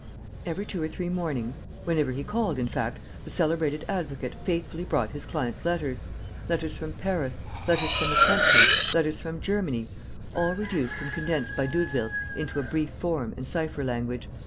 Every two or three mornings, whenever he called, in fact, the celebrated advocate faithfully brought his client's letters: letters from Paris, letters from the country, letters from Germany; all reduced and condensed by Doudeville into a brief form and cipher language.